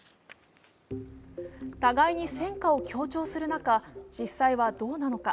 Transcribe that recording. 互いに戦果を強調する中、実際はどうなのか。